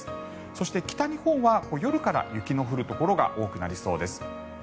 そして、北日本は夜から雪の降るところが多くなりそうです。